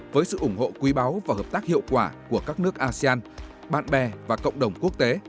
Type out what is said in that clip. với sự ủng hộ quý báu và hợp tác hiệu quả của các nước asean bạn bè và cộng đồng quốc tế